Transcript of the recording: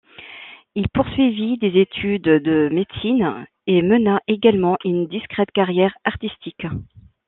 Il poursuivit des études de médecine, et mena également une discrète carrière artistique.